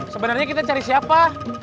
sebenarnya kita cari siapa